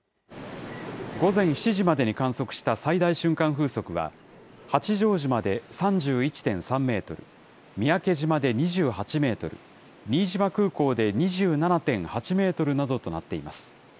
午前７時までに観測した最大瞬間風速は、八丈島で３１．３メートル、三宅島で２８メートル、新島空港で２７．８メートルなどとなっています。